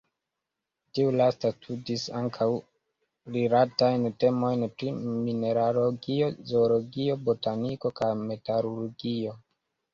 Tiu lasta studis ankaŭ rilatajn temojn pri mineralogio, zoologio, botaniko, kaj metalurgio.